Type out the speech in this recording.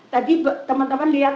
tadi teman teman lihat